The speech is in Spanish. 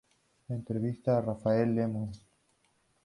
Entrevista a Rafael Lemus